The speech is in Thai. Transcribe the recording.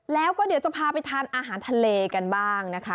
แล้วก็เดี๋ยวจะพาไปทานอาหารทะเลกันบ้างนะคะ